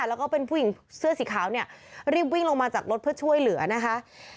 แล้วก็เป็นผู้หญิงเสื้อสีขาวเนี่ยรีบวิ่งลงมาจากรถเพื่อช่วยเหลือนะคะ